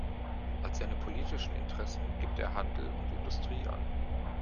Als seine politischen Interessen gibt er Handel und Industrie an.